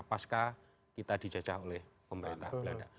pasca kita dijajah oleh pemerintah belanda